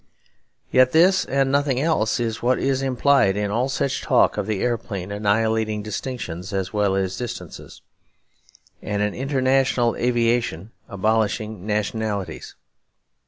Yet this and nothing else is what is implied in all such talk of the aeroplane annihilating distinctions as well as distances; and an international aviation abolishing nationalities.